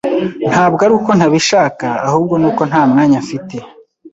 Ntabwo ari uko ntabishaka, ahubwo ni uko nta mwanya mfite.